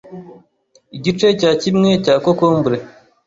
Igice cya kimwe cya cocombre